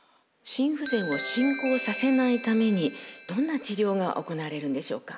心不全を進行させないためにどんな治療が行われるんでしょうか？